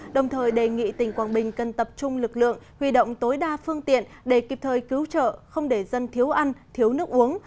đồng thời đề nghị tỉnh quảng bình cần tập trung lực lượng huy động tối đa phương tiện để kịp thời cứu trợ không để dân thiếu ăn thiếu nước uống